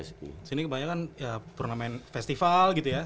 sini kebanyakan pernah main festival gitu ya